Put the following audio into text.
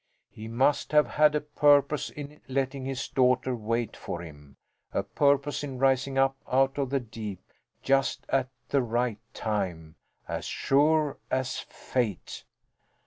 He must have had a purpose in letting his daughter wait for him; a purpose in rising up out of the deep at just the right time as sure as fate!